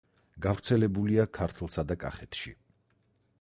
გავრცელებულია ქართლსა და კახეთში.